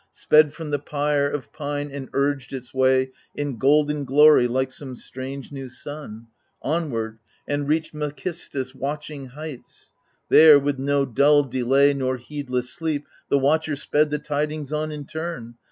Sped from the pyre of pine, and urged its way. In golden glory, like some strange new sun. Onward, and reached Macistus' watching heights. There, with no dull delay nor heedless sleep, The watcher sped the tidings on in turn.